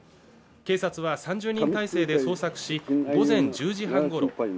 警察は３０人態勢で捜索し午前１０時半ごろ